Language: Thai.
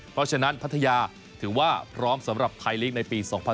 เพราะฉะนั้นพัทยาถือว่าพร้อมสำหรับไทยลีกในปี๒๐๑๖